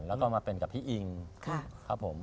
แล้วก็มาเป็นกับพี่อิงครับผม